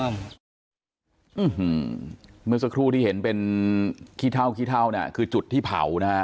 เมื่อสักครู่ที่เห็นเป็นขี้เทาคือจุดที่เผา